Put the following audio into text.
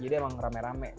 jadi emang rame rame